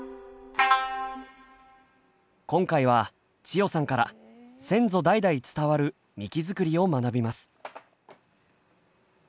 今回は千代さんから先祖代々伝わるみき作りを学びます。